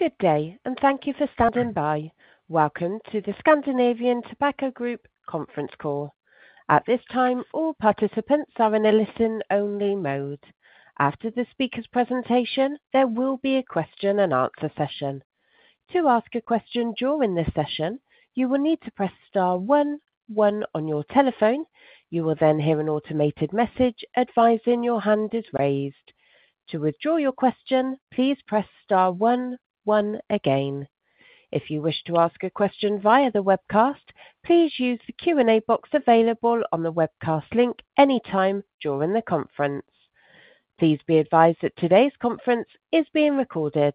Good day, and thank you for standing by. Welcome to the Scandinavian Tobacco Group Conference Call. At this time, all participants are in a listen-only mode. After the speaker's presentation, there will be a question-and-answer session. To ask a question during this session, you will need to press star one, one on your telephone. You will then hear an automated message advising your hand is raised. To withdraw your question, please press star one, one again. If you wish to ask a question via the webcast, please use the Q&A box available on the webcast link anytime during the conference. Please be advised that today's conference is being recorded.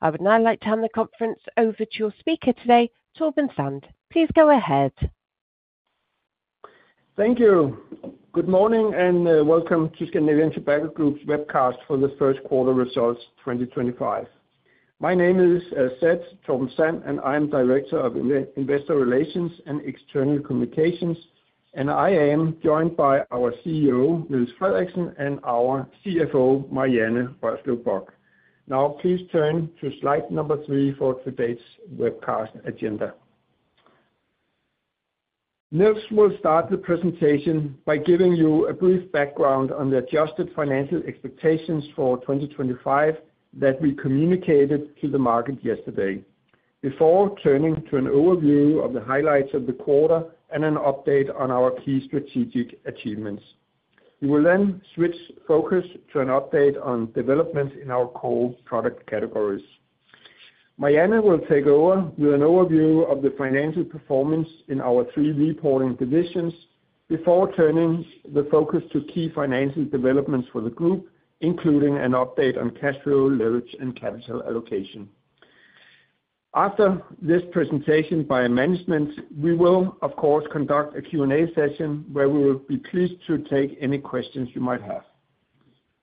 I would now like to hand the conference over to your speaker today, Torben Sand. Please go ahead. Thank you. Good morning and welcome to Scandinavian Tobacco Group's webcast for the first quarter results 2025. My name is, as said, Torben Sand, and I am Director of Investor Relations and External Communications, and I am joined by our CEO, Niels Frederiksen, and our CFO, Marianne Rørslev Bock. Now, please turn to slide number three for today's webcast agenda. Niels will start the presentation by giving you a brief background on the adjusted financial expectations for 2025 that we communicated to the market yesterday, before turning to an overview of the highlights of the quarter and an update on our key strategic achievements. We will then switch focus to an update on developments in our core product categories. Marianne will take over with an overview of the financial performance in our three reporting divisions, before turning the focus to key financial developments for the group, including an update on cash flow, leverage, and capital allocation. After this presentation by management, we will, of course, conduct a Q&A session where we will be pleased to take any questions you might have.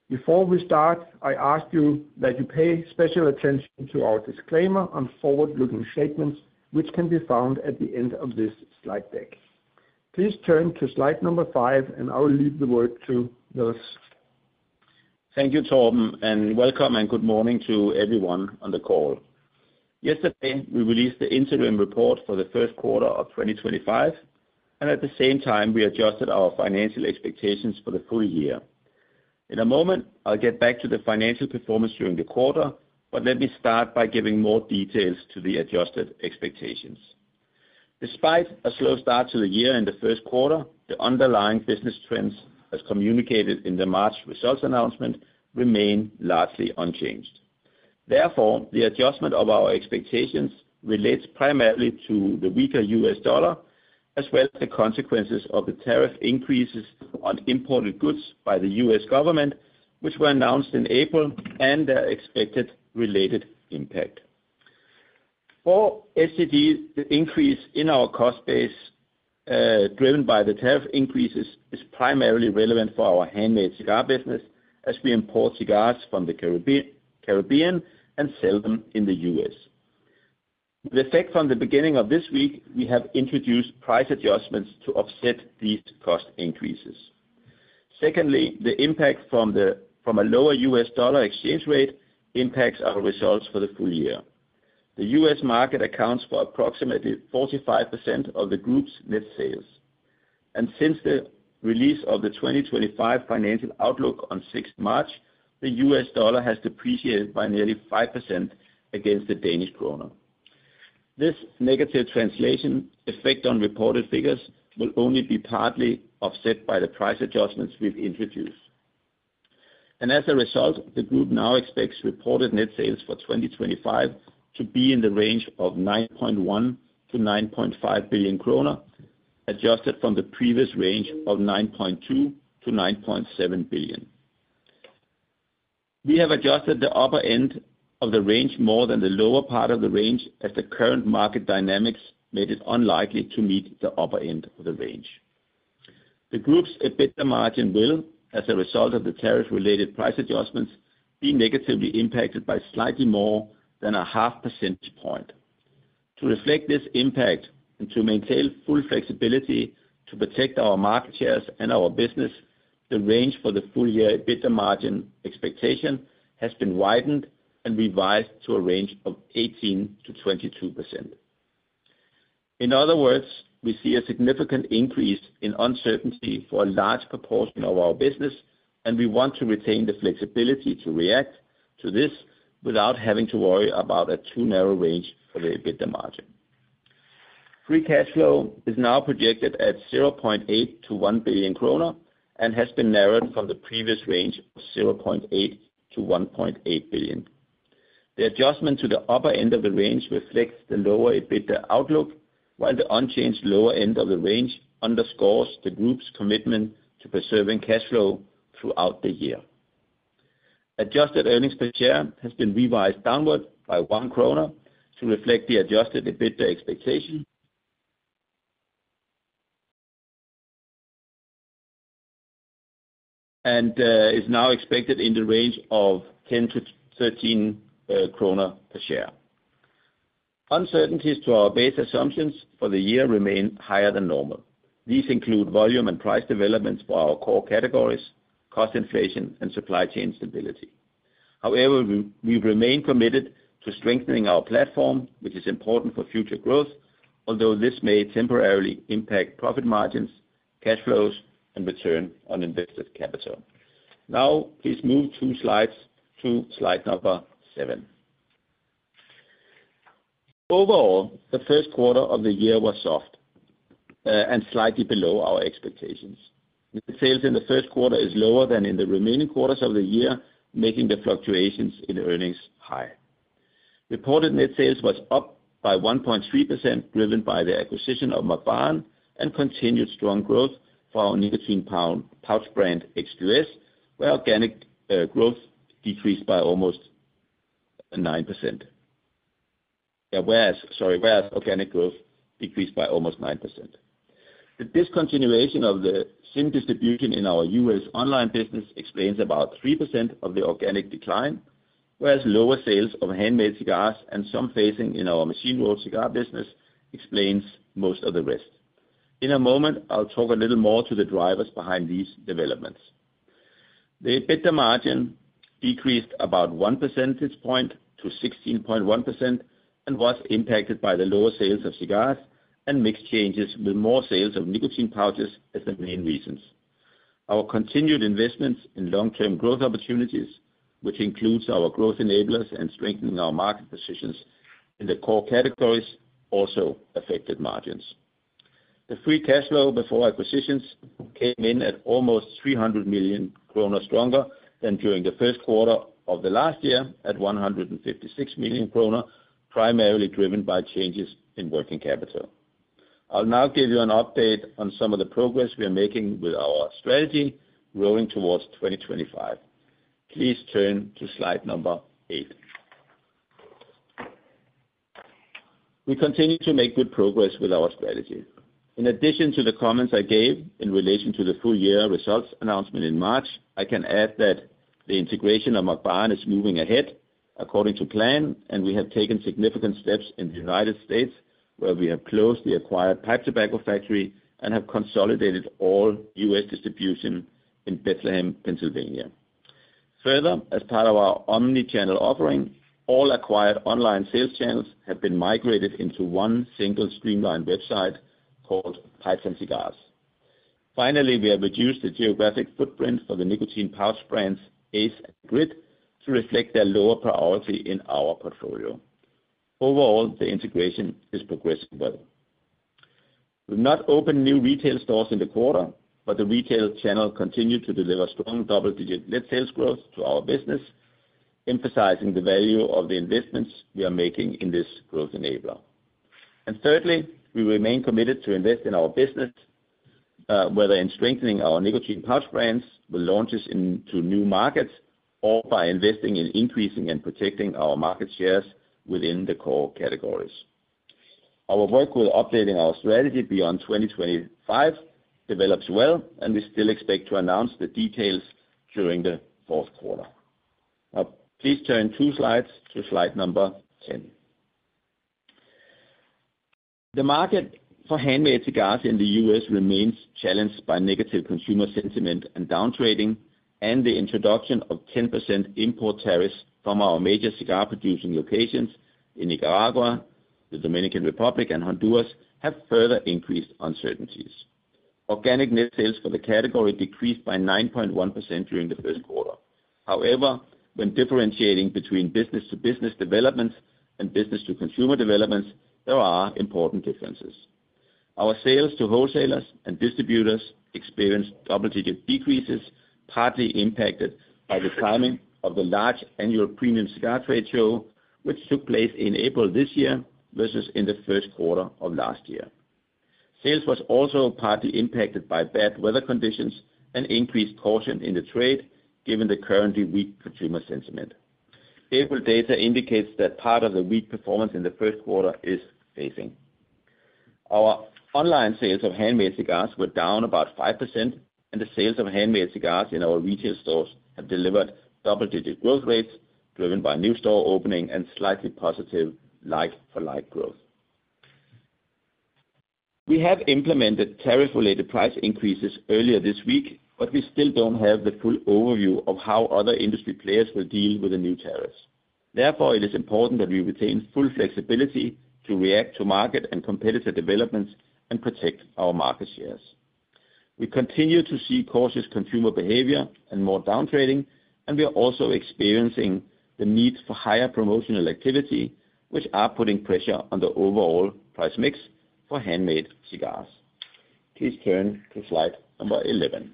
Before we start, I ask you that you pay special attention to our disclaimer on forward-looking statements, which can be found at the end of this slide deck. Please turn to slide number five, and I will leave the word to Niels. Thank you, Torben, and welcome and good morning to everyone on the call. Yesterday, we released the interim report for the first quarter of 2025, and at the same time, we adjusted our financial expectations for the full year. In a moment, I'll get back to the financial performance during the quarter, but let me start by giving more details to the adjusted expectations. Despite a slow start to the year in the first quarter, the underlying business trends, as communicated in the March results announcement, remain largely unchanged. Therefore, the adjustment of our expectations relates primarily to the weaker US dollar, as well as the consequences of the tariff increases on imported goods by the US government, which were announced in April, and their expected related impact. For STD, the increase in our cost base driven by the tariff increases is primarily relevant for our handmade cigar business, as we import cigars from the Caribbean and sell them in the U.S. With effect from the beginning of this week, we have introduced price adjustments to offset these cost increases. Secondly, the impact from a lower U.S. dollar exchange rate impacts our results for the full year. The U.S. market accounts for approximately 45% of the group's net sales, and since the release of the 2025 financial outlook on 6 March, the U.S. dollar has depreciated by nearly 5% against the DKK. This negative translation effect on reported figures will only be partly offset by the price adjustments we've introduced. The group now expects reported net sales for 2025 to be in the range of 9.1 billion-9.5 billion kroner, adjusted from the previous range of 9.2 billion-9.7 billion. We have adjusted the upper end of the range more than the lower part of the range, as the current market dynamics made it unlikely to meet the upper end of the range. The group's EBITDA margin will, as a result of the tariff-related price adjustments, be negatively impacted by slightly more than a half percentage point. To reflect this impact and to maintain full flexibility to protect our market shares and our business, the range for the full year EBITDA margin expectation has been widened and revised to a range of 18%-22%. In other words, we see a significant increase in uncertainty for a large proportion of our business, and we want to retain the flexibility to react to this without having to worry about a too narrow range for the EBITDA margin. Free cash flow is now projected at 800 million-1 billion kroner and has been narrowed from the previous range of 800 million-1.8 billion. The adjustment to the upper end of the range reflects the lower EBITDA outlook, while the unchanged lower end of the range underscores the group's commitment to preserving cash flow throughout the year. Adjusted earnings per share has been revised downward by 1 kroner to reflect the adjusted EBITDA expectation and is now expected in the range of 10-13 krone per share. Uncertainties to our base assumptions for the year remain higher than normal. These include volume and price developments for our core categories, cost inflation, and supply chain stability. However, we remain committed to strengthening our platform, which is important for future growth, although this may temporarily impact profit margins, cash flows, and return on invested capital. Now, please move to slide number seven. Overall, the first quarter of the year was soft and slightly below our expectations. Net sales in the first quarter is lower than in the remaining quarters of the year, making the fluctuations in earnings high. Reported net sales was up by 1.3%, driven by the acquisition of Mac Baren and continued strong growth for our nicotine pouch brand XQS, where organic growth decreased by almost 9%. Whereas organic growth decreased by almost 9%. The discontinuation of the SIN distribution in our U.S. online business explains about 3% of the organic decline, whereas lower sales of handmade cigars and some phasing in our machine-rolled cigar business explains most of the rest. In a moment, I'll talk a little more to the drivers behind these developments. The EBITDA margin decreased about 1 percentage point to 16.1% and was impacted by the lower sales of cigars and mixed changes with more sales of nicotine pouches as the main reasons. Our continued investments in long-term growth opportunities, which includes our growth enablers and strengthening our market positions in the core categories, also affected margins. The free cash flow before acquisitions came in at almost 300 million kroner stronger than during the first quarter of the last year at 156 million kroner, primarily driven by changes in working capital. I'll now give you an update on some of the progress we are making with our strategy rolling towards 2025. Please turn to slide number eight. We continue to make good progress with our strategy. In addition to the comments I gave in relation to the full year results announcement in March, I can add that the integration of Mac Baren is moving ahead according to plan, and we have taken significant steps in the United States, where we have closed the acquired pipe tobacco factory and have consolidated all US distribution in Bethlehem, Pennsylvania. Further, as part of our omnichannel offering, all acquired online sales channels have been migrated into one single streamlined website called Python Cigars. Finally, we have reduced the geographic footprint for the nicotine pouch brands Ace and Grit to reflect their lower priority in our portfolio. Overall, the integration is progressing well. We have not opened new retail stores in the quarter, but the retail channel continued to deliver strong double-digit net sales growth to our business, emphasizing the value of the investments we are making in this growth enabler. Thirdly, we remain committed to invest in our business, whether in strengthening our nicotine pouch brands with launches into new markets or by investing in increasing and protecting our market shares within the core categories. Our work with updating our strategy beyond 2025 develops well, and we still expect to announce the details during the fourth quarter. Now, please turn two slides to slide number 10. The market for handmade cigars in the U.S. remains challenged by negative consumer sentiment and downtrading, and the introduction of 10% import tariffs from our major cigar-producing locations in Nicaragua, the Dominican Republic, and Honduras have further increased uncertainties. Organic net sales for the category decreased by 9.1% during the first quarter. However, when differentiating between business-to-business developments and business-to-consumer developments, there are important differences. Our sales to wholesalers and distributors experienced double-digit decreases, partly impacted by the timing of the large annual premium cigar trade show, which took place in April this year versus in the first quarter of last year. Sales were also partly impacted by bad weather conditions and increased caution in the trade, given the currently weak consumer sentiment. April data indicates that part of the weak performance in the first quarter is phasing. Our online sales of handmade cigars were down about 5%, and the sales of handmade cigars in our retail stores have delivered double-digit growth rates, driven by new store opening and slightly positive like-for-like growth. We have implemented tariff-related price increases earlier this week, but we still do not have the full overview of how other industry players will deal with the new tariffs. Therefore, it is important that we retain full flexibility to react to market and competitor developments and protect our market shares. We continue to see cautious consumer behavior and more downtrading, and we are also experiencing the need for higher promotional activity, which is putting pressure on the overall price mix for handmade cigars. Please turn to slide number 11.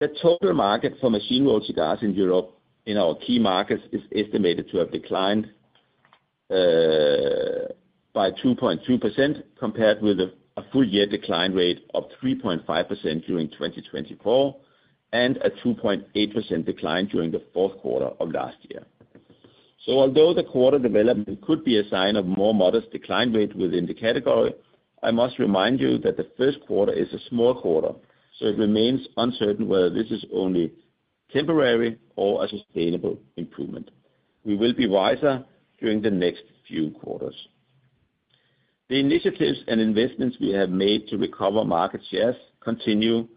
The total market for machine-rolled cigars in Europe in our key markets is estimated to have declined by 2.2%, compared with a full-year decline rate of 3.5% during 2024 and a 2.8% decline during the fourth quarter of last year. Although the quarter development could be a sign of a more modest decline rate within the category, I must remind you that the first quarter is a small quarter, so it remains uncertain whether this is only temporary or a sustainable improvement. We will be wiser during the next few quarters. The initiatives and investments we have made to recover market shares continue,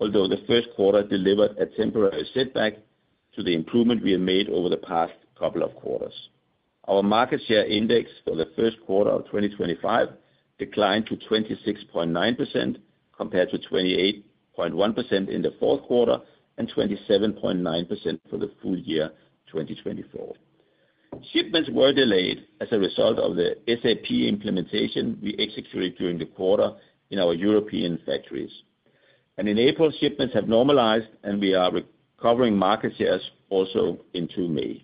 although the first quarter delivered a temporary setback to the improvement we have made over the past couple of quarters. Our market share index for the first quarter of 2025 declined to 26.9%, compared to 28.1% in the fourth quarter and 27.9% for the full year 2024. Shipments were delayed as a result of the SAP implementation we executed during the quarter in our European factories. In April, shipments have normalized, and we are recovering market shares also into May.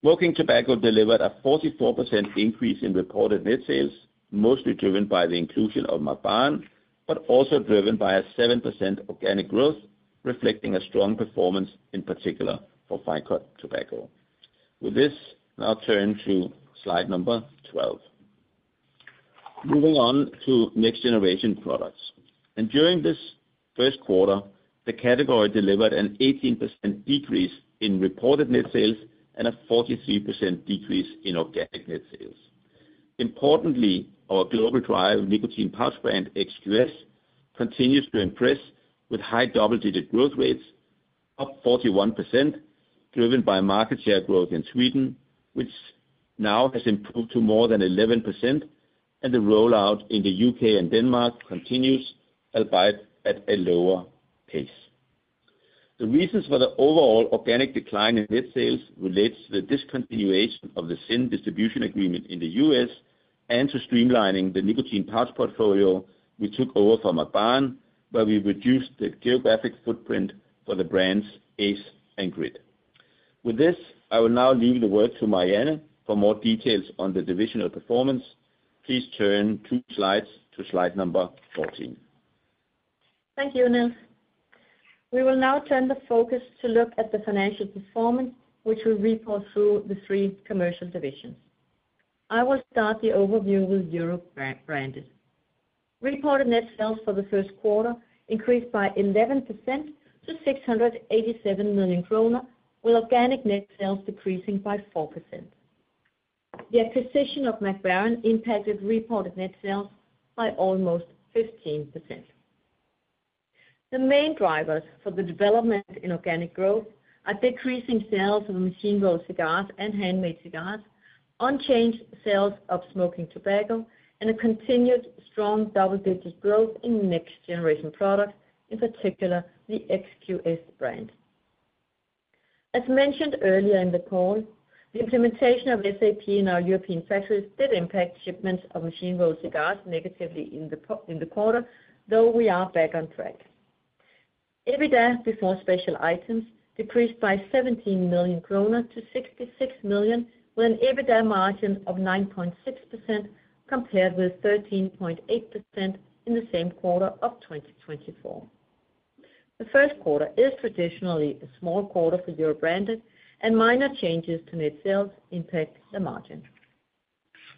Smoking tobacco delivered a 44% increase in reported net sales, mostly driven by the inclusion of Mac Baren, but also driven by a 7% organic growth, reflecting a strong performance in particular for Ficot tobacco. With this, now turn to slide number 12. Moving on to next-generation products. During this first quarter, the category delivered an 18% decrease in reported net sales and a 43% decrease in organic net sales. Importantly, our global driver, nicotine pouch brand XQS, continues to impress with high double-digit growth rates, up 41%, driven by market share growth in Sweden, which now has improved to more than 11%, and the rollout in the U.K. and Denmark continues, albeit at a lower pace. The reasons for the overall organic decline in net sales relate to the discontinuation of the ZYN distribution agreement in the U.S. and to streamlining the nicotine pouch portfolio we took over from Mac Baren, where we reduced the geographic footprint for the brands Ace and Grit. With this, I will now leave the word to Marianne for more details on the divisional performance. Please turn two slides to slide number 14. Thank you, Niels. We will now turn the focus to look at the financial performance, which we will read through the three commercial divisions. I will start the overview with Europe Branded. Reported net sales for the first quarter increased by 11% to 687 million kroner, with organic net sales decreasing by 4%. The acquisition of Mac Baren impacted reported net sales by almost 15%. The main drivers for the development in organic growth are decreasing sales of machine-rolled cigars and handmade cigars, unchanged sales of smoking tobacco, and a continued strong double-digit growth in next-generation products, in particular the XQS brand. As mentioned earlier in the call, the implementation of SAP in our European factories did impact shipments of machine-rolled cigars negatively in the quarter, though we are back on track. EBITDA before special items decreased by 17 million kroner to 66 million, with an EBITDA margin of 9.6% compared with 13.8% in the same quarter of 2024. The first quarter is traditionally a small quarter for Europe Branded, and minor changes to net sales impact the margin.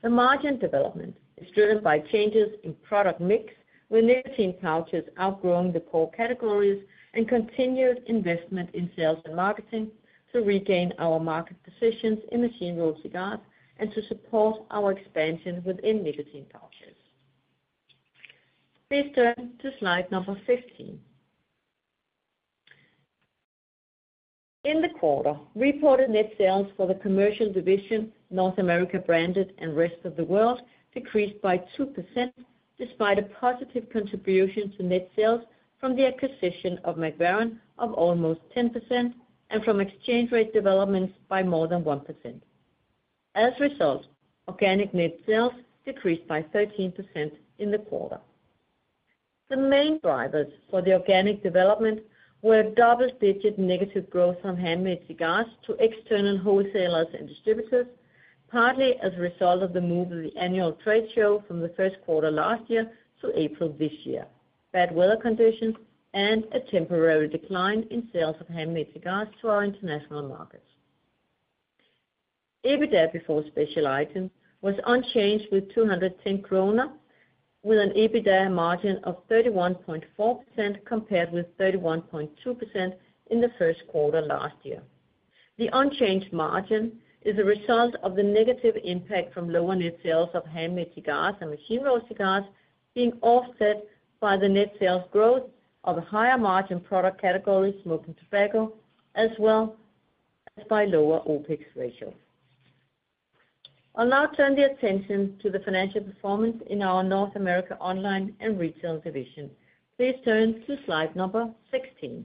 The margin development is driven by changes in product mix, with nicotine pouches outgrowing the core categories, and continued investment in sales and marketing to regain our market positions in machine-rolled cigars and to support our expansion within nicotine pouches. Please turn to slide number 15. In the quarter, reported net sales for the commercial division, North America branded and rest of the world, decreased by 2%, despite a positive contribution to net sales from the acquisition of Mac Baren of almost 10% and from exchange rate developments by more than 1%. As a result, organic net sales decreased by 13% in the quarter. The main drivers for the organic development were double-digit negative growth from handmade cigars to external wholesalers and distributors, partly as a result of the move of the annual trade show from the first quarter last year to April this year, bad weather conditions, and a temporary decline in sales of handmade cigars to our international markets. EBITDA before special items was unchanged with 210 krone, with an EBITDA margin of 31.4% compared with 31.2% in the first quarter last year. The unchanged margin is a result of the negative impact from lower net sales of handmade cigars and machine-rolled cigars being offset by the net sales growth of a higher margin product category, smoking tobacco, as well as by lower OPEX ratio. I'll now turn the attention to the financial performance in our North America online and retail division. Please turn to slide number 16.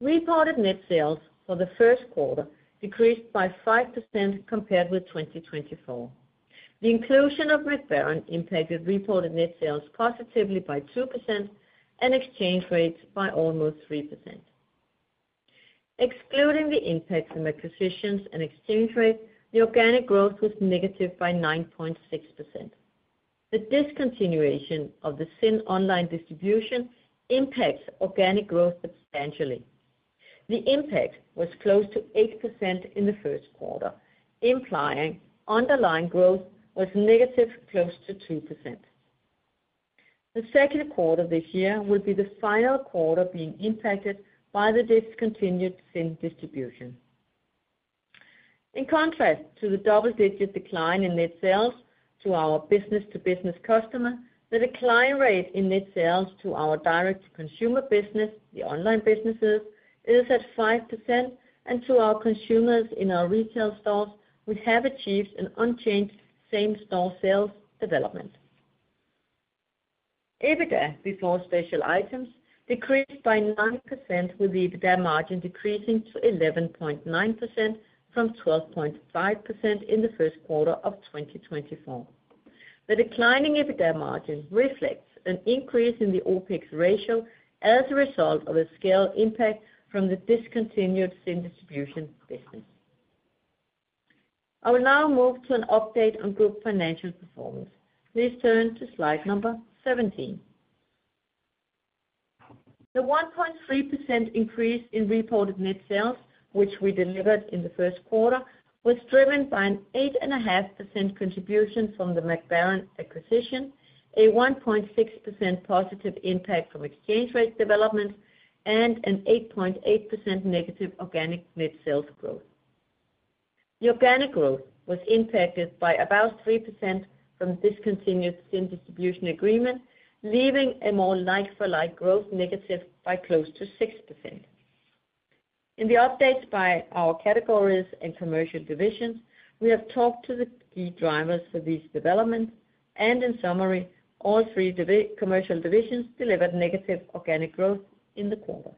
Reported net sales for the first quarter decreased by 5% compared with 2024. The inclusion of Mac Baren impacted reported net sales positively by 2% and exchange rates by almost 3%. Excluding the impacts from acquisitions and exchange rate, the organic growth was negative by 9.6%. The discontinuation of the SIN online distribution impacts organic growth substantially. The impact was close to 8% in the first quarter, implying underlying growth was negative close to 2%. The second quarter this year will be the final quarter being impacted by the discontinued SIN distribution. In contrast to the double-digit decline in net sales to our business-to-business customer, the decline rate in net sales to our direct-to-consumer business, the online businesses, is at 5%, and to our consumers in our retail stores, we have achieved an unchanged same-store sales development. EBITDA before special items decreased by 9%, with the EBITDA margin decreasing to 11.9% from 12.5% in the first quarter of 2024. The declining EBITDA margin reflects an increase in the OPEX ratio as a result of a scale impact from the discontinued ZYN distribution business. I will now move to an update on group financial performance. Please turn to slide number 17. The 1.3% increase in reported net sales, which we delivered in the first quarter, was driven by an 8.5% contribution from the Mac Baren acquisition, a 1.6% positive impact from exchange rate development, and an 8.8% negative organic net sales growth. The organic growth was impacted by about 3% from discontinued ZYN distribution agreement, leaving a more like-for-like growth negative by close to 6%. In the updates by our categories and commercial divisions, we have talked to the key drivers for these developments, and in summary, all three commercial divisions delivered negative organic growth in the quarter.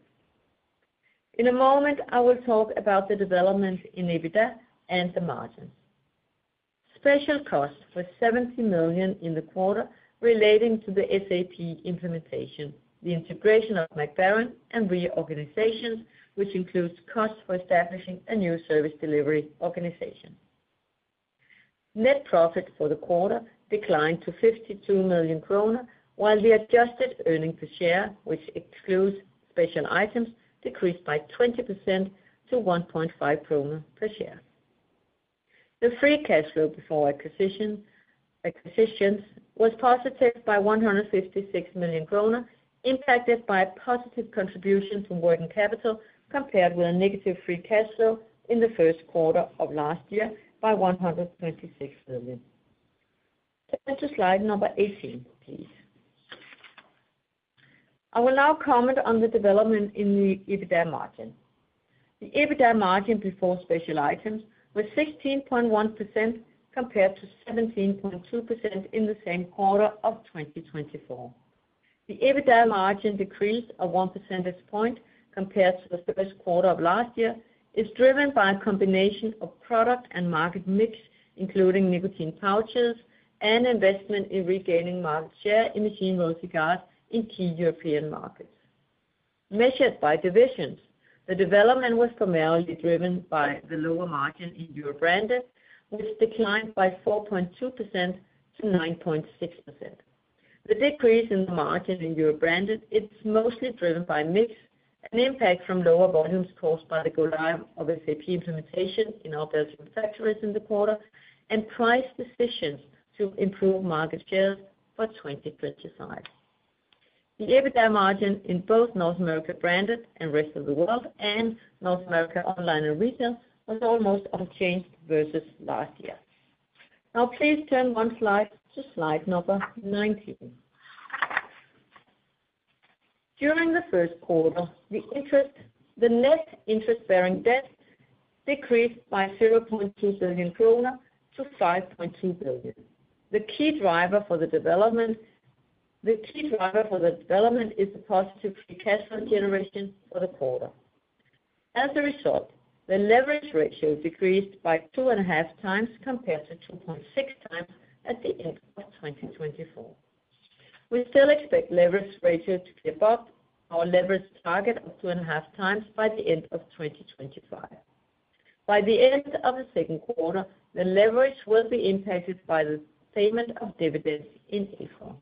In a moment, I will talk about the development in EBITDA and the margins. Special costs were 70 million in the quarter relating to the SAP implementation, the integration of Mac Baren and reorganizations, which includes costs for establishing a new service delivery organization. Net profit for the quarter declined to 52 million kroner, while the adjusted earnings per share, which excludes special items, decreased by 20% to 1.5 per share. The free cash flow before acquisitions was positive by 156 million kroner, impacted by positive contribution from working capital compared with a negative free cash flow in the first quarter of last year by 126 million. Turn to slide number 18, please. I will now comment on the development in the EBITDA margin. The EBITDA margin before special items was 16.1% compared to 17.2% in the same quarter of 2024. The EBITDA margin decreased 1 percentage point compared to the first quarter of last year. It's driven by a combination of product and market mix, including nicotine pouches, and investment in regaining market share in machine-rolled cigars in key European markets. Measured by divisions, the development was primarily driven by the lower margin in Europe Branded, which declined by 4.2% to 9.6%. The decrease in the margin in Europe Branded is mostly driven by mix and impact from lower volumes caused by the go-live of SAP implementation in our Belgian factories in the quarter and price decisions to improve market shares for 2025. The EBITDA margin in both North America branded and rest of the world and North America online and retail was almost unchanged versus last year. Now, please turn one slide to slide number 19. During the first quarter, the net interest-bearing debt decreased by 0.2 billion krone to 5.2 billion. The key driver for the development is the positive free cash flow generation for the quarter. As a result, the leverage ratio decreased to 2.5 times compared to 2.6 times at the end of 2024. We still expect leverage ratio to be above our leverage target of 2.5 times by the end of 2025. By the end of the second quarter, the leverage will be impacted by the payment of dividends in April.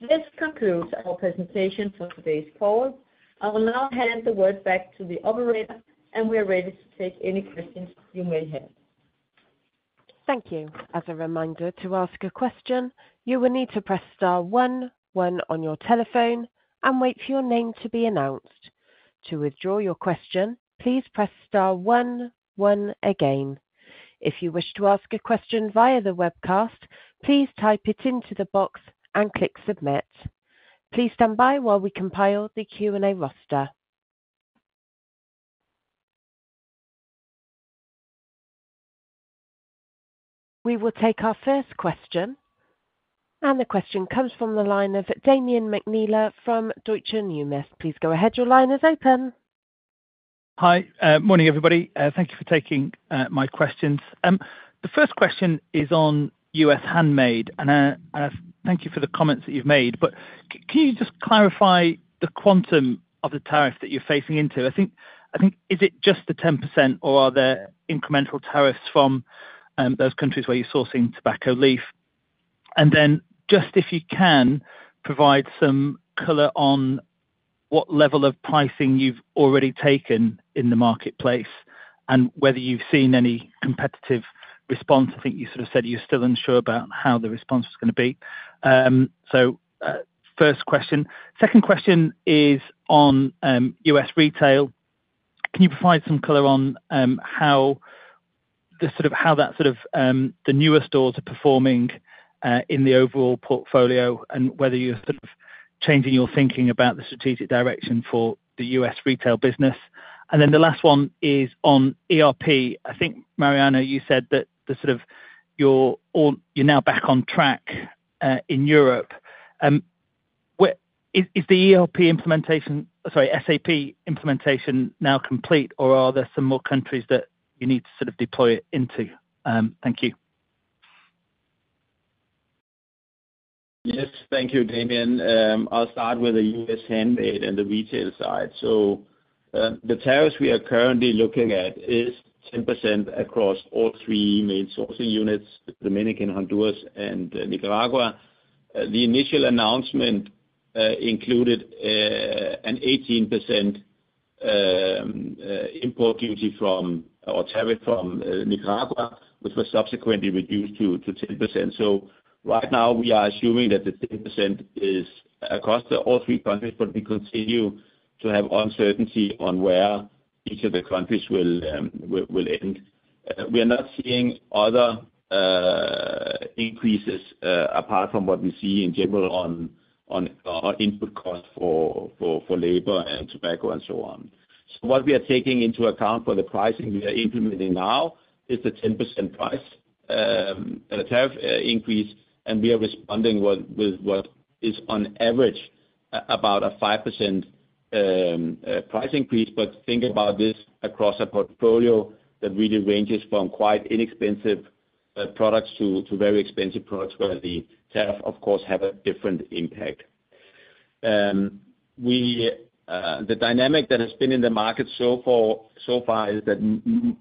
This concludes our presentation for today's call. I will now hand the word back to the operator, and we are ready to take any questions you may have. Thank you. As a reminder, to ask a question, you will need to press star one one on your telephone, and wait for your name to be announced. To withdraw your question, please press star one one again. If you wish to ask a question via the webcast, please type it into the box and click submit. Please stand by while we compile the Q&A roster. We will take our first question, and the question comes from the line of Damian McNeela from Deutsche Numis. Please go ahead. Your line is open. Hi. Morning, everybody. Thank you for taking my questions. The first question is on U.S. handmade, and I thank you for the comments that you've made, but can you just clarify the quantum of the tariff that you're facing into? I think, is it just the 10%, or are there incremental tariffs from those countries where you're sourcing tobacco leaf? And then just if you can, provide some color on what level of pricing you've already taken in the marketplace and whether you've seen any competitive response. I think you sort of said you're still unsure about how the response was going to be. First question. Second question is on U.S. retail. Can you provide some color on how that, sort of, the newer stores are performing in the overall portfolio and whether you're sort of changing your thinking about the strategic direction for the U.S. retail business? The last one is on ERP. I think, Marianne, you said that sort of you're now back on track in Europe. Is the ERP implementation, sorry, SAP implementation now complete, or are there some more countries that you need to sort of deploy it into? Thank you. Yes. Thank you, Damian. I'll start with the U.S. handmade and the retail side. The tariffs we are currently looking at is 10% across all three main sourcing units, Dominican, Honduras, and Nicaragua. The initial announcement included an 18% import duty from or tariff from Nicaragua, which was subsequently reduced to 10%. Right now, we are assuming that the 10% is across all three countries, but we continue to have uncertainty on where each of the countries will end. We are not seeing other increases apart from what we see in general on input costs for labor and tobacco and so on. What we are taking into account for the pricing we are implementing now is the 10% price tariff increase, and we are responding with what is on average about a 5% price increase, but think about this across a portfolio that really ranges from quite inexpensive products to very expensive products where the tariff, of course, has a different impact. The dynamic that has been in the market so far is that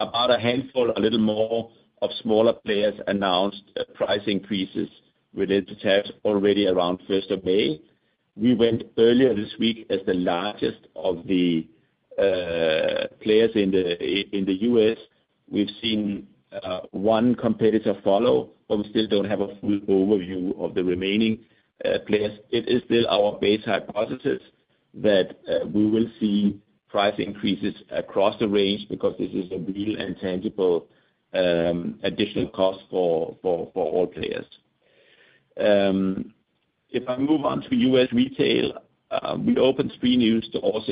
about a handful, a little more, of smaller players announced price increases related to tariffs already around 1st of May. We went earlier this week as the largest of the players in the US. We have seen one competitor follow, but we still do not have a full overview of the remaining players. It is still our base hypothesis that we will see price increases across the range because this is a real and tangible additional cost for all players. If I move on to U.S. retail, we opened three new stores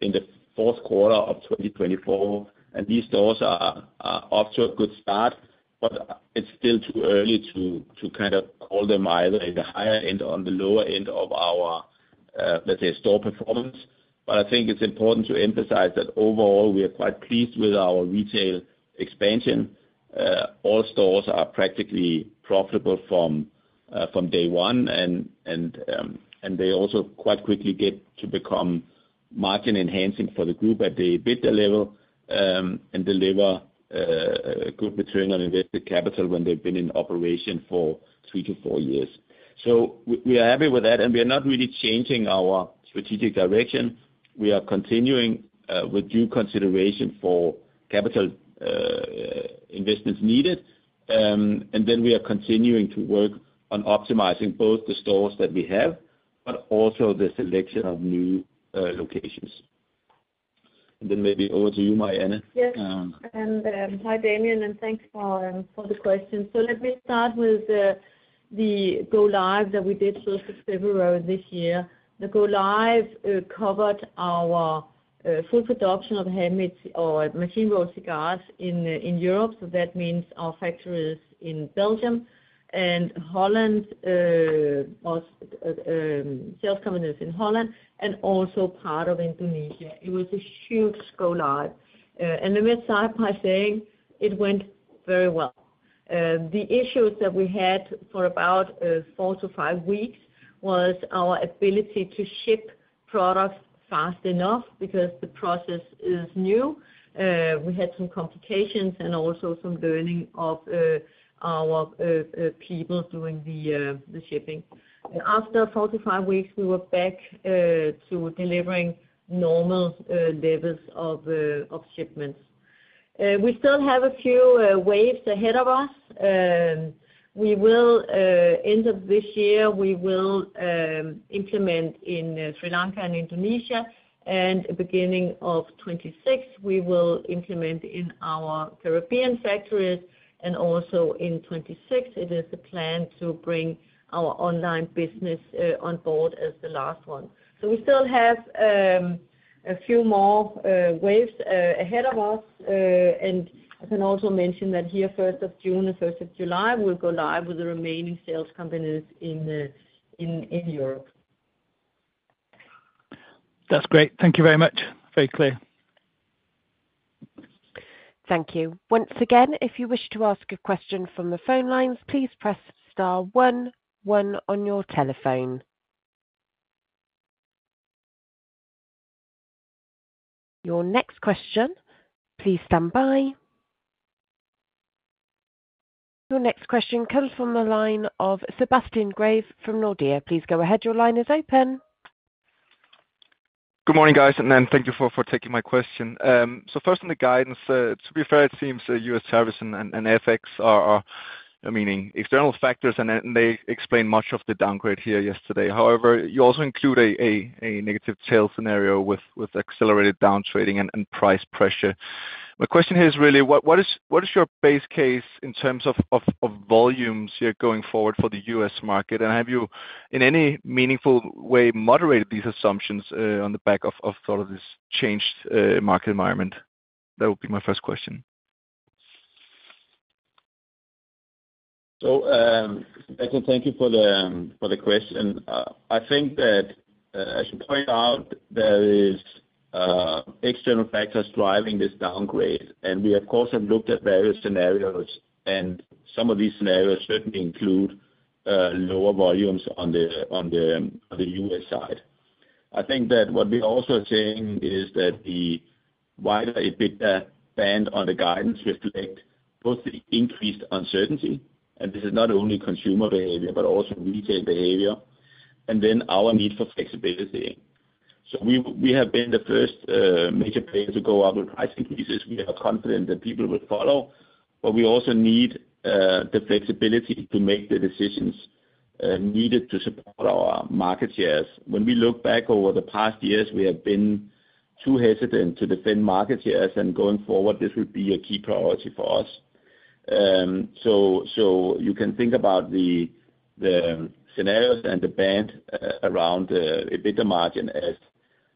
in the fourth quarter of 2024, and these stores are off to a good start, but it's still too early to kind of call them either in the higher end or on the lower end of our, let's say, store performance. I think it's important to emphasize that overall, we are quite pleased with our retail expansion. All stores are practically profitable from day one, and they also quite quickly get to become margin-enhancing for the group at the EBITDA level and deliver a good return on invested capital when they've been in operation for three to four years. We are happy with that, and we are not really changing our strategic direction. We are continuing with due consideration for capital investments needed, and we are continuing to work on optimizing both the stores that we have, but also the selection of new locations. Maybe over to you, Marianne. Yes. Hi, Damian, and thanks for the question. Let me start with the go-live that we did 1 February this year. The go-live covered our full production of handmade or machine-rolled cigars in Europe. That means our factories in Belgium and Netherlands, sales companies in Netherlands, and also part of Indonesia. It was a huge go-live. Let me start by saying it went very well. The issues that we had for about four to five weeks was our ability to ship products fast enough because the process is new. We had some complications and also some learning of our people doing the shipping. After four to five weeks, we were back to delivering normal levels of shipments. We still have a few waves ahead of us. We will, end of this year, we will implement in Sri Lanka and Indonesia, and beginning of 2026, we will implement in our European factories and also in 2026. It is the plan to bring our online business on board as the last one. We still have a few more waves ahead of us, and I can also mention that here, 1st of June and 1st of July, we will go live with the remaining sales companies in Europe. That's great. Thank you very much. Very clear. Thank you. Once again, if you wish to ask a question from the phone lines, please press star one one on your telephone. Your next question, please stand by. Your next question comes from the line of Sebastian Grave from Nordea. Please go ahead. Your line is open. Good morning, guys, and thank you for taking my question. First, on the guidance, to be fair, it seems US tariffs and FX are meaning external factors, and they explain much of the downgrade here yesterday. However, you also include a negative sales scenario with accelerated downtrading and price pressure. My question here is really, what is your base case in terms of volumes here going forward for the US market? Have you, in any meaningful way, moderated these assumptions on the back of sort of this changed market environment? That would be my first question. I can thank you for the question. I think that I should point out there are external factors driving this downgrade, and we, of course, have looked at various scenarios, and some of these scenarios certainly include lower volumes on the U.S. side. I think that what we're also seeing is that the wider EBITDA band on the guidance reflects both the increased uncertainty, and this is not only consumer behavior, but also retail behavior, and then our need for flexibility. We have been the first major player to go up with price increases. We are confident that people will follow, but we also need the flexibility to make the decisions needed to support our market shares. When we look back over the past years, we have been too hesitant to defend market shares, and going forward, this will be a key priority for us. You can think about the scenarios and the band around the EBITDA margin as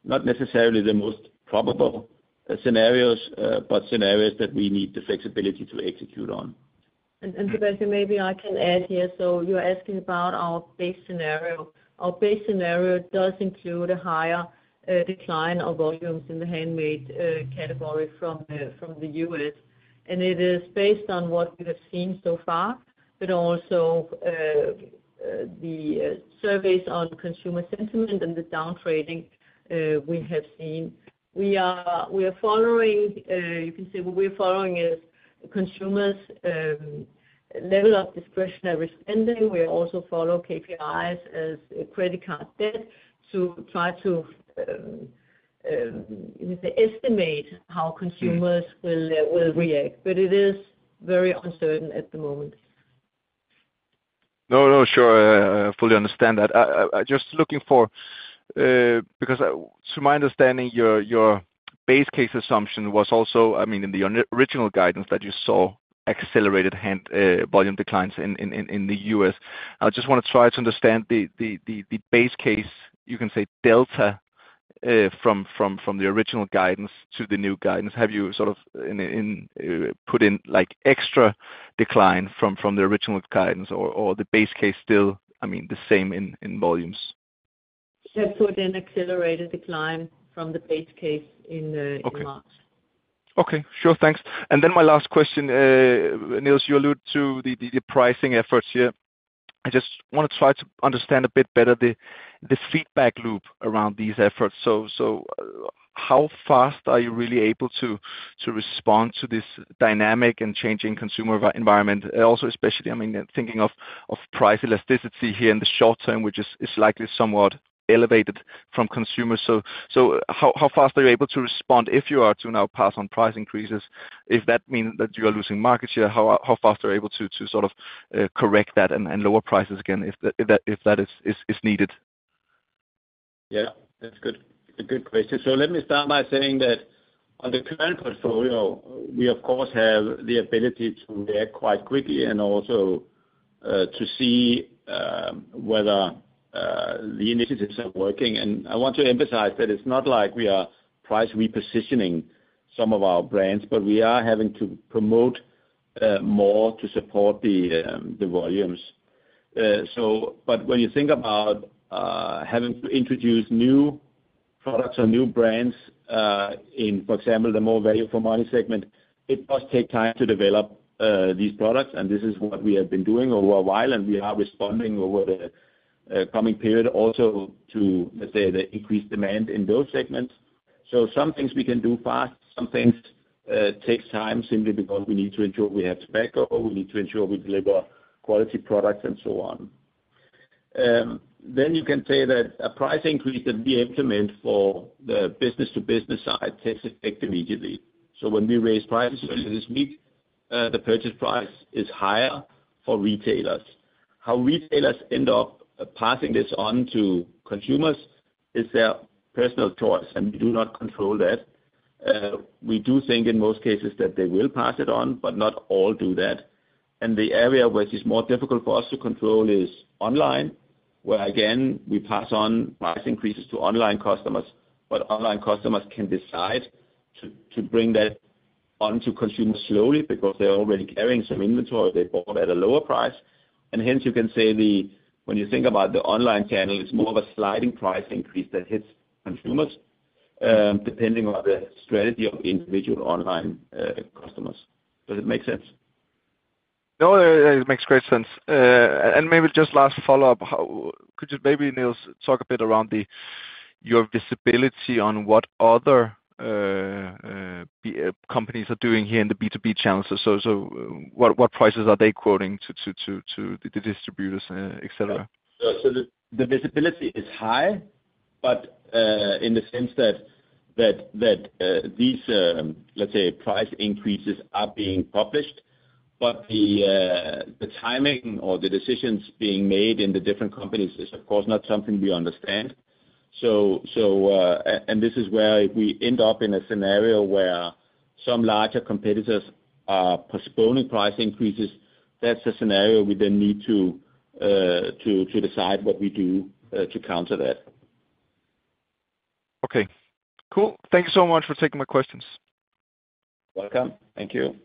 not necessarily the most probable scenarios, but scenarios that we need the flexibility to execute on. Sebastian, maybe I can add here. You are asking about our base scenario. Our base scenario does include a higher decline of volumes in the handmade category from the U.S., and it is based on what we have seen so far, but also the surveys on consumer sentiment and the downtrading we have seen. We are following what we are following is consumers' level of discretionary spending. We also follow KPIs as credit card debt to try to estimate how consumers will react, but it is very uncertain at the moment. No, no, sure. I fully understand that. Just looking forward, because to my understanding, your base case assumption was also, I mean, in the original guidance that you saw, accelerated volume declines in the U.S. I just want to try to understand the base case, you can say, delta from the original guidance to the new guidance. Have you sort of put in extra decline from the original guidance, or the base case still, I mean, the same in volumes? They have put in accelerated decline from the base case in March. Okay. Sure. Thanks. My last question, Niels, you alluded to the pricing efforts here. I just want to try to understand a bit better the feedback loop around these efforts. How fast are you really able to respond to this dynamic and changing consumer environment? Also, especially, I mean, thinking of price elasticity here in the short term, which is likely somewhat elevated from consumers. How fast are you able to respond if you are to now pass on price increases? If that means that you are losing market share, how fast are you able to sort of correct that and lower prices again if that is needed? Yeah. That's a good question. Let me start by saying that on the current portfolio, we, of course, have the ability to react quite quickly and also to see whether the initiatives are working. I want to emphasize that it's not like we are price repositioning some of our brands, but we are having to promote more to support the volumes. When you think about having to introduce new products or new brands in, for example, the more value-for-money segment, it does take time to develop these products, and this is what we have been doing over a while, and we are responding over the coming period also to, let's say, the increased demand in those segments. Some things we can do fast. Some things take time simply because we need to ensure we have tobacco. We need to ensure we deliver quality products and so on. You can say that a price increase that we implement for the business-to-business side takes effect immediately. When we raise prices earlier this week, the purchase price is higher for retailers. How retailers end up passing this on to consumers is their personal choice, and we do not control that. We do think in most cases that they will pass it on, but not all do that. The area where it is more difficult for us to control is online, where, again, we pass on price increases to online customers, but online customers can decide to bring that on to consumers slowly because they are already carrying some inventory. They bought at a lower price. Hence, you can say when you think about the online channel, it is more of a sliding price increase that hits consumers depending on the strategy of individual online customers. Does it make sense? No, it makes great sense. Maybe just last follow-up, could you maybe, Niels, talk a bit around your visibility on what other companies are doing here in the B2B channels? What prices are they quoting to the distributors, etc.? The visibility is high, but in the sense that these, let's say, price increases are being published, but the timing or the decisions being made in the different companies is, of course, not something we understand. This is where we end up in a scenario where some larger competitors are postponing price increases. That is a scenario we then need to decide what we do to counter that. Okay. Cool. Thank you so much for taking my questions. Welcome. Thank you.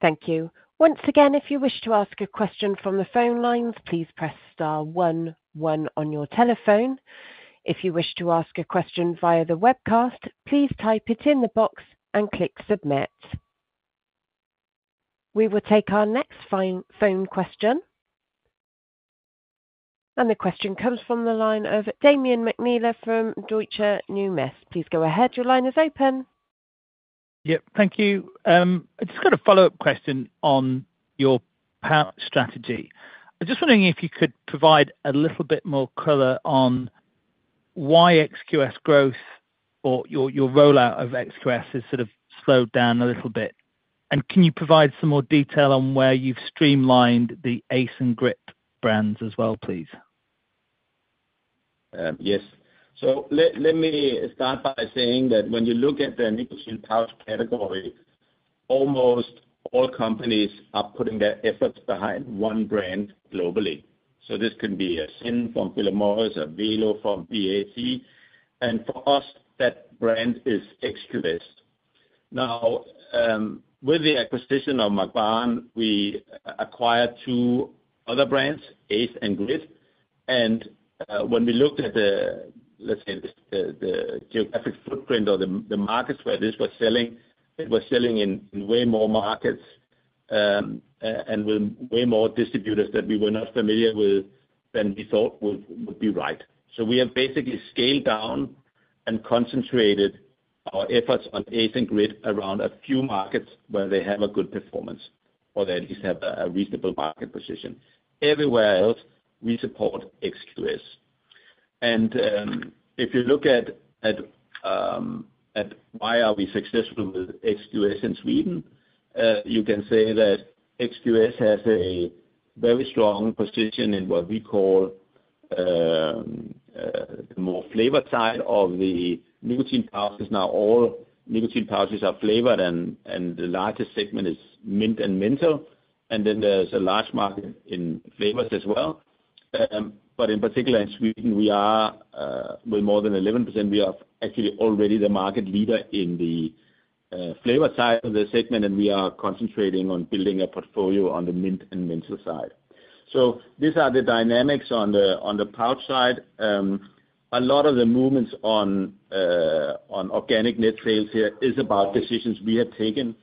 Thank you. Once again, if you wish to ask a question from the phone lines, please press star one one on your telephone. If you wish to ask a question via the webcast, please type it in the box and click submit. We will take our next phone question. The question comes from the line of Damian McNeela from Deutsche Numis. Please go ahead. Your line is open. Yep. Thank you. I just got a follow-up question on your strategy. I'm just wondering if you could provide a little bit more color on why XQS growth or your rollout of XQS has sort of slowed down a little bit. And can you provide some more detail on where you've streamlined the Ace and Grit brands as well, please? Yes. Let me start by saying that when you look at the nicotine pouch category, almost all companies are putting their efforts behind one brand globally. This can be a ZYN from Philip Morris, a Velo from British American Tobacco. For us, that brand is XQS. Now, with the acquisition of Mac Baren, we acquired two other brands, Ace and Grit. When we looked at the, let's say, the geographic footprint or the markets where this was selling, it was selling in way more markets and with way more distributors that we were not familiar with than we thought would be right. We have basically scaled down and concentrated our efforts on Ace and Grit around a few markets where they have a good performance or they at least have a reasonable market position. Everywhere else, we support XQS. If you look at why we are successful with XQS in Sweden, you can say that XQS has a very strong position in what we call the more flavor side of the nicotine pouches. Now, all nicotine pouches are flavored, and the largest segment is mint and menthol. Then there is a large market in flavors as well. In particular, in Sweden, with more than 11%, we are actually already the market leader in the flavor side of the segment, and we are concentrating on building a portfolio on the mint and menthol side. These are the dynamics on the pouch side. A lot of the movements on organic net sales here is about decisions we have taken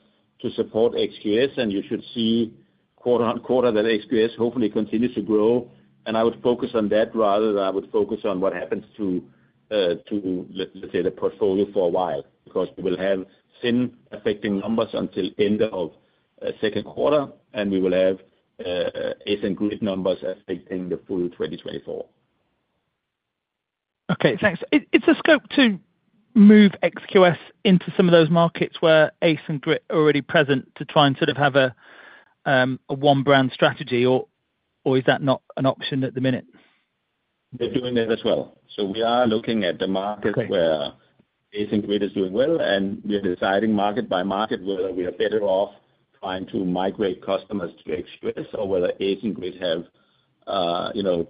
to support XQS, and you should see quarter on quarter that XQS hopefully continues to grow. I would focus on that rather than I would focus on what happens to, let's say, the portfolio for a while because we will have SIN affecting numbers until the end of second quarter, and we will have Ace and Grit numbers affecting the full 2024. Okay. Thanks. It a scope to move XQS into some of those markets where Ace and Grit are already present to try and sort of have a one-brand strategy, or is that not an option at the minute? They're doing that as well. We are looking at the market where Ace and Grit are doing well, and we are deciding market by market whether we are better off trying to migrate customers to XQS or whether Ace and Grit have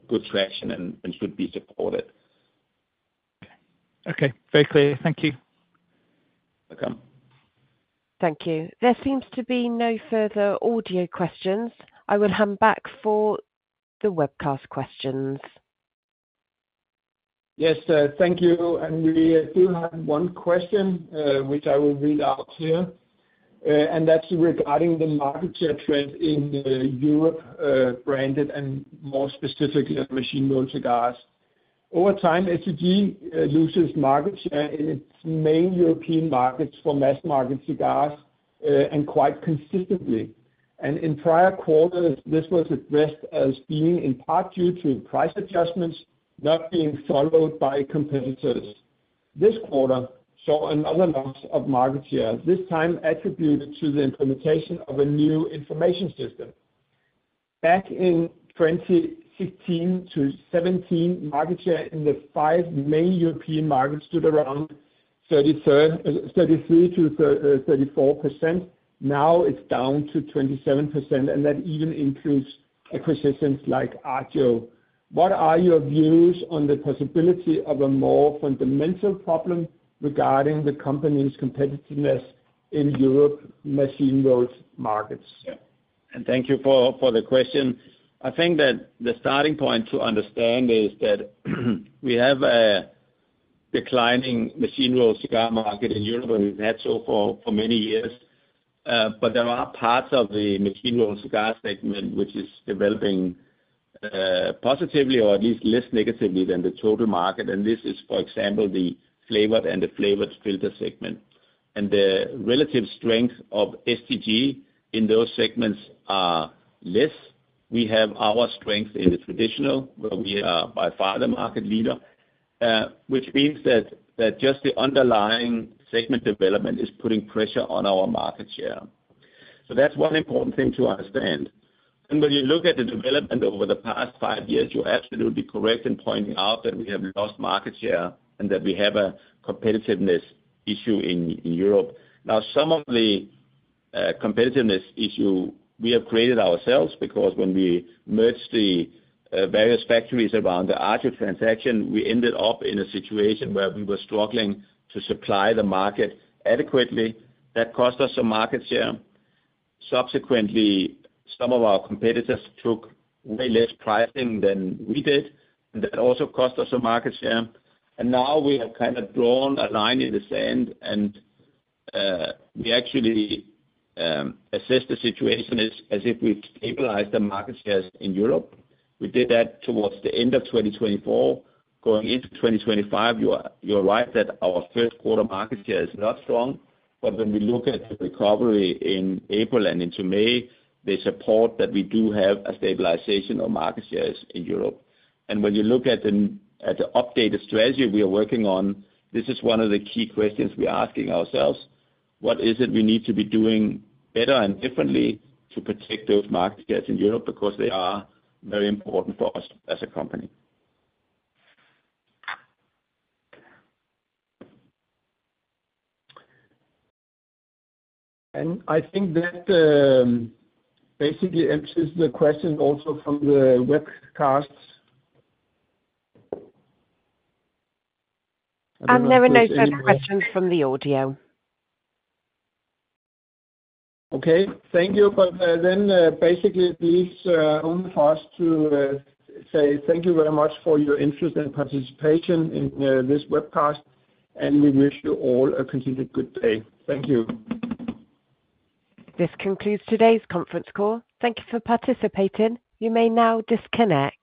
good traction and should be supported. Okay. Very clear. Thank you. Welcome. Thank you. There seems to be no further audio questions. I will hand back for the webcast questions. Yes. Thank you. We do have one question, which I will read out here. That is regarding the market share trend in Europe branded and more specifically on machine-rolled cigars. Over time, SEG loses market share in its main European markets for mass-market cigars and quite consistently. In prior quarters, this was addressed as being in part due to price adjustments not being followed by competitors. This quarter saw another loss of market share, this time attributed to the implementation of a new information system. Back in 2016-2017, market share in the five main European markets stood around 33%-34%. Now it is down to 27%, and that even includes acquisitions like Artio. What are your views on the possibility of a more fundamental problem regarding the company's competitiveness in Europe's machine-rolled markets? Yeah .Thank you for the question. I think that the starting point to understand is that we have a declining machine-rolled cigar market in Europe, and we have had so for many years. There are parts of the machine-rolled cigar segment which is developing positively or at least less negatively than the total market. This is, for example, the flavored and the flavored filter segment. The relative strength of Scandinavian Tobacco Group in those segments is less. We have our strength in the traditional, where we are by far the market leader, which means that just the underlying segment development is putting pressure on our market share. That is one important thing to understand. When you look at the development over the past five years, you are absolutely correct in pointing out that we have lost market share and that we have a competitiveness issue in Europe. Now, some of the competitiveness issue we have created ourselves because when we merged the various factories around the Artio transaction, we ended up in a situation where we were struggling to supply the market adequately. That cost us some market share. Subsequently, some of our competitors took way less pricing than we did, and that also cost us some market share. Now we have kind of drawn a line in the sand, and we actually assess the situation as if we've stabilized the market shares in Europe. We did that towards the end of 2024. Going into 2025, you're right that our first quarter market share is not strong, but when we look at the recovery in April and into May, they support that we do have a stabilization of market shares in Europe. When you look at the updated strategy we are working on, this is one of the key questions we're asking ourselves. What is it we need to be doing better and differently to protect those market shares in Europe because they are very important for us as a company? I think that basically answers the question also from the webcast. I've never noticed that question from the audio. Okay. Thank you. Please only for us to say thank you very much for your interest and participation in this webcast, and we wish you all a continued good day. Thank you. This concludes today's conference call. Thank you for participating. You may now disconnect.